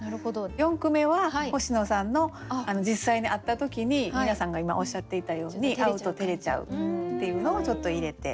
四句目は星野さんの実際に会った時に皆さんが今おっしゃっていたように「会うと照れちゃう」っていうのをちょっと入れて。